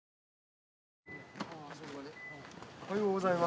おはようございます。